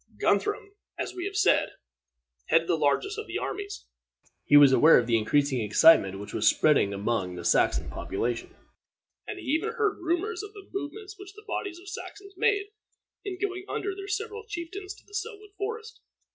Guthrum, as we have said, headed the largest of these armies. He was aware of the increasing excitement that was spreading among the Saxon population, and he even heard rumors of the movements which the bodies of Saxons made, in going under their several chieftains to Selwood Forest.